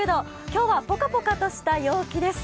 今日はぽかぽかとした陽気です。